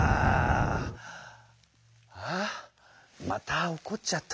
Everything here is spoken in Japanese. あっまたおこっちゃった。